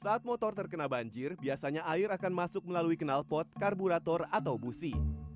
saat motor terkena banjir biasanya air akan masuk melalui kenal pot karburator atau busi